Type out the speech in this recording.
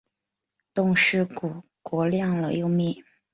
冻尸骨国亮了又灭。